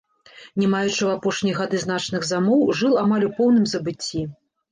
Не маючы ў апошнія гады значных замоў, жыл амаль у поўным забыцці.